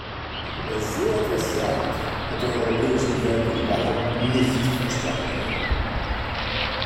Wer so etwas sagt, hat die europäischen Werte überhaupt nicht verstanden.